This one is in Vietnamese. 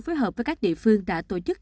phối hợp với các địa phương đã tổ chức